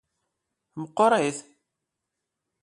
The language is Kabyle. Meqqrit?